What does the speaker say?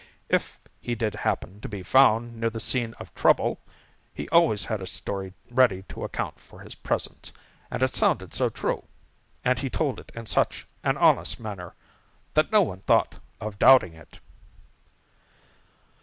If he did happen to be found near the scene of trouble, he always had a story ready to account for his presence, and it sounded so true, and he told it in such an honest manner, that no one thought of doubting it.